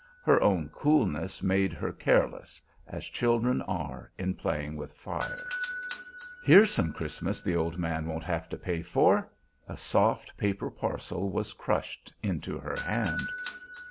Her own coolness made her careless, as children are in playing with fire. "Here's some Christmas the old man won't have to pay for." A soft paper parcel was crushed into her hand.